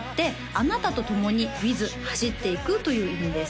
「あなたと共に走っていく」という意味です